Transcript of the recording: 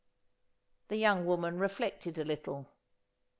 The young woman reflected a little.